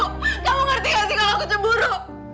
kamu ngerti gak sih kalau aku cemburu